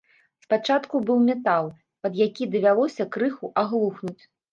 Спачатку быў метал, пад які давялося крыху аглухнуць.